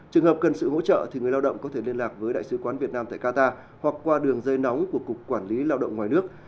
trường hợp cần sự hỗ trợ thì người lao động có thể liên lạc với đại sứ quán việt nam tại qatar hoặc qua đường dây nóng của cục quản lý lao động ngoài nước